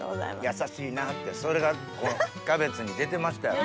優しいなってそれがキャベツに出てましたよ。